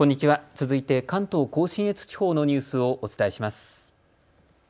続いて関東甲信越地方のニュースをお伝えします。